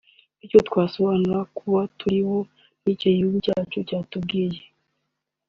icyo twisobanuraho kubo turibo n’icyo igihugu cyacu kitubwiye